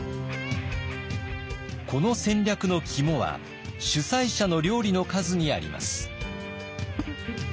この戦略の肝は主催者の料理の数にあります。